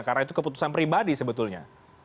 karena itu keputusan pribadi sebetulnya